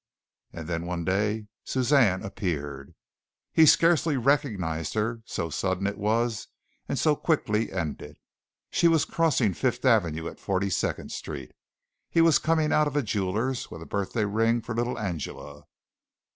And then one day Suzanne appeared. He scarcely recognized her, so sudden it was and so quickly ended. She was crossing Fifth Avenue at Forty second Street. He was coming out of a jeweler's, with a birthday ring for little Angela.